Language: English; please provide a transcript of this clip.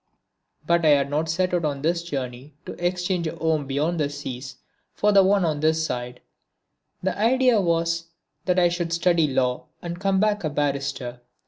But I had not set out on this journey to exchange a home beyond the seas for the one on this side. The idea was that I should study Law and come back a barrister.